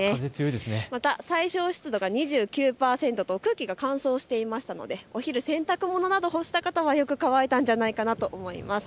また最小湿度が２９％と空気が乾燥していましたのでお昼、洗濯物など干した方は乾いたんじゃないかと思います。